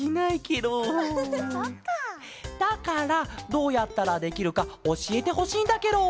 だからどうやったらできるかおしえてほしいんだケロ！